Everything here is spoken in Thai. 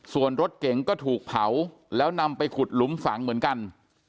ส่วนรถเก๋งก็ถูกเผาแล้วนำไปขุดหลุมฝังเหมือนกัน